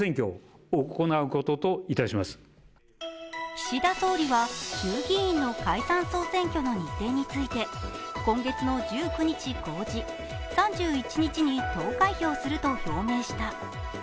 岸田総理は衆議院の解散総選挙の日程について今月の１９日公示、３１日に投開票すると表明した。